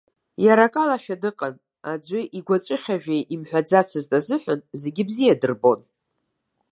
Иара акалашәа дыҟан, аӡәы игәацәыхьажәа имҳәаӡацызт азыҳәан, зегь бзиа дырбон.